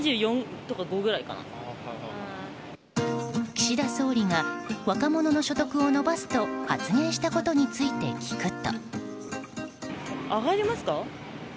岸田総理が若者の所得を伸ばすと発言したことについて聞くと。